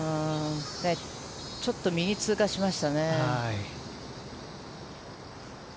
ちょっと右通過しましたね。